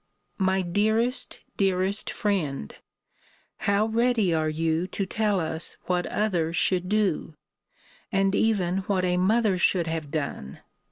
My dearest, dearest friend, how ready are you to tell us what others should do, and even what a mother should have done!